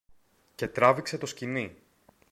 και τράβηξε το σκοινί.